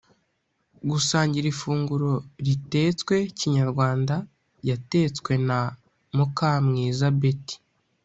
gusangira ifunguro ritetswe kinyarwanda yatetswe na Mukamwiza Betty